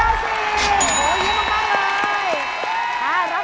โอ้โหยิ้มมากเลย